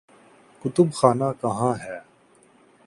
کتب خانہ کہاں ہے؟